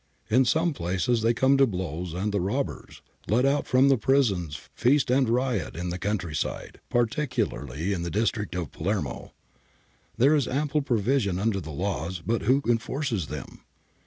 In some places they come to blows, and the robbers ... let out from the prisons feast and riot in the country side, particularly in the district of Palermo. There is ample provision under the laws, but who enforces them